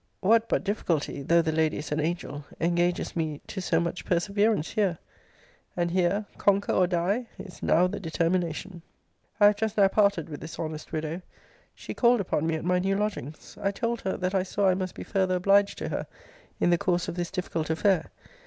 What but difficulty, (though the lady is an angel,) engages me to so much perseverance here? And here, conquer or die! is now the determination! I have just now parted with this honest widow. She called upon me at my new lodgings. I told her, that I saw I must be further obliged to her in the course of this difficult affair.